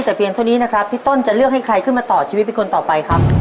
แต่เพียงเท่านี้นะครับ